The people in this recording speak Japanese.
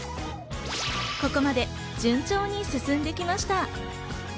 ここまで順調に進んできました。